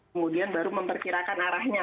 kemudian baru memperkirakan arahnya